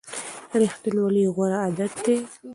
ریښتینولي غوره عادت دی.